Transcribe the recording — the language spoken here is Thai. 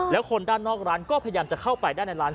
แล้วคนด้านนอกร้านก็พยายามจะเข้าไปด้านในร้าน